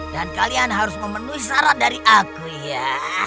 dan kalian harus memenuhi syarat dari aku ya